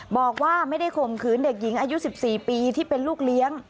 บอกว่าไม่ได้ข่มขืนเด็กหญิงอายุ๑๔ปีที่เป็นลูกเลี้ยง